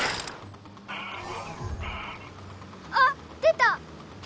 あっ出た！